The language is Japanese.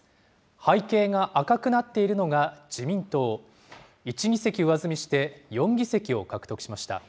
背景が赤くなっているのが自民党、１議席上積みして４議席を獲得しました。